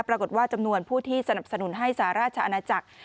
จำนวนผู้ที่สนับสนุนให้สหราชอาณาจักร